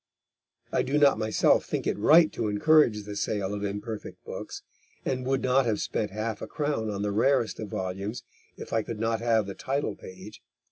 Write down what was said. (I do not myself think it right to encourage the sale of imperfect books, and would not have spent half a crown on the rarest of volumes if I could not have the title page.